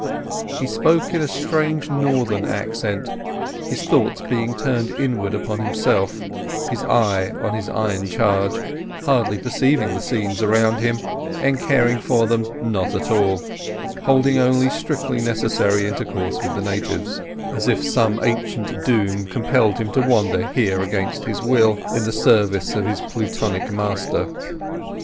He spoke in a strange northern accent; his thoughts being turned inwards upon himself, his eye on his iron charge, hardly perceiving the scenes around him, and caring for them not at all: holding only strictly necessary intercourse with the natives, as if some ancient doom compelled him to wander here against his will in the service of his Plutonic master.